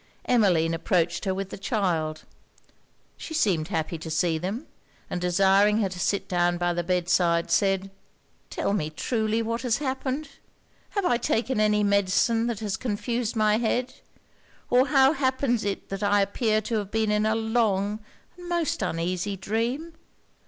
Emmeline approached her with the child. She seemed happy to see them; and desiring her to sit down by the bed side, said 'Tell me truly what has happened? Have I taken any medicine that has confused my head, or how happens it that I appear to have been in a long and most uneasy dream?